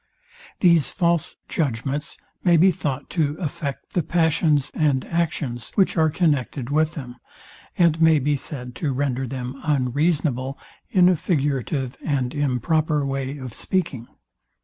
These false judgments may be thought to affect the passions and actions, which are connected with them, and may be said to render them unreasonable, in a figurative and improper way of speaking.